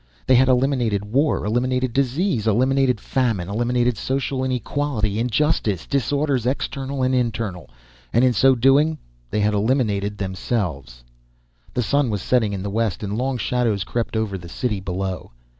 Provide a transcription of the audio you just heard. They had eliminated war, eliminated disease, eliminated famine, eliminated social inequality, injustice, disorders external and internal and in so doing, they had eliminated themselves. The sun was setting in the west, and long shadows crept over the city below.